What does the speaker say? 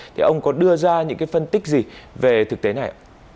thế ông có đưa ra những phân tích gì về thực tế này